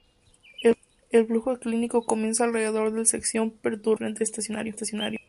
El flujo ciclónico comienza alrededor de la sección perturbada del frente estacionario.